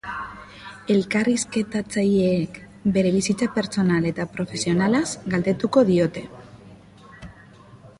Elkarrizketatzaileek bere bizitza pertsonal eta profesionalaz galdetuko diote.